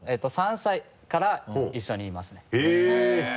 ３歳から一緒にいますねへぇっ！